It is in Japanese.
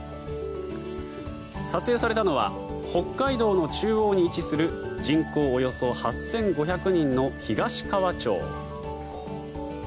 撮影されたのは北海道の中央に位置する人口およそ８５００人の東川町。